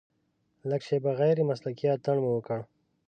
لږه شېبه غیر مسلکي اتڼ مو وکړ.